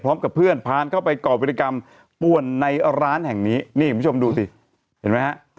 พร้อมกับเพื่อนพานเข้าไปก่อวิธีกรรมป่วนในร้านแห่งนี้นี่คุณผู้ชมดูสิเห็นไหมฮะ